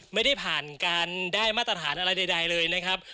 ไม่ได้ผ่านการได้มาตรฐานอะไรใดเลยนะครับ